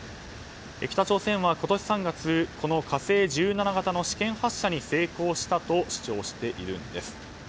北朝鮮は今年３月「火星１７」型の試験発射に成功したと主張しているんです。